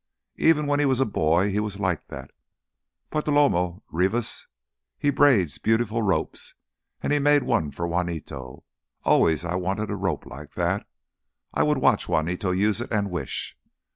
Even when he was a boy, he was like that. Bartolomé Rivas, he braids beautiful ropes, and he made one for Juanito. Always I wanted a rope like that. I would watch Juanito use it and wish.